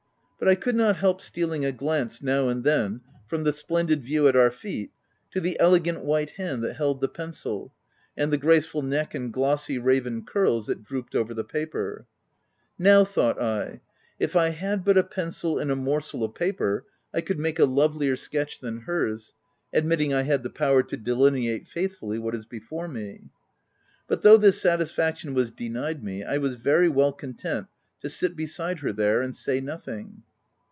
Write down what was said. But I could not help stealing a glance, now and then, from the splendid view at our feet to the elegant white hand that held the pencil, and the graceful neck and glossy raven curls that drooped over the paper. 132 THE TENANT "Now,? thought I, " if I had but a pencil and a morsel of paper, I could make a lovelier sketch than hers, admitting I had the power to delineate faithfully what is before me" But though this satisfaction was denied me, I was very w r ell content to sit beside her there, and say nothing.